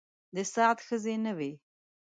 د سعد ښځې نه وې.